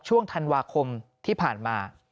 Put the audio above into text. ช่วงธันวาคมที่ผ่านมา